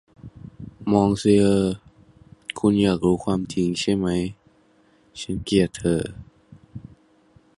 มองซิเออร์ คุณอยากรู้ความจริงใช่ไหม ฉันเกลียดเธอ